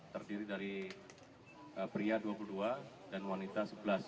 terdiri dari pria dua puluh dua dan wanita sebelas